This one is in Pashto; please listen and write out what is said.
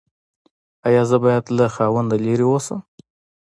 ایا زه باید له خاوند لرې اوسم؟